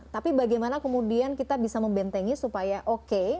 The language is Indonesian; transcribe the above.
tapi bagaimana kemudian kita bisa membentengi supaya oke